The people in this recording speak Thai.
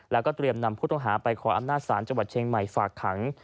แล้วก็เตรียมนำผู้ต้องหาไปขออำนาจศาลจังหวัดเชียงใหม่ฝากขัง